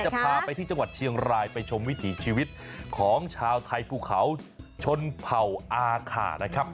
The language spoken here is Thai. พาไปที่จังหวัดเชียงรายไปชมวิถีชีวิตของชาวไทยภูเขาชนเผ่าอาขานะครับ